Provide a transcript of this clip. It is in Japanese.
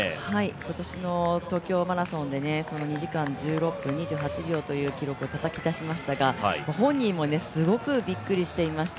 今年の東京マラソンで２時間１６分２８秒という記録をたたき出しましたが、本人もすごくびっくりしていました。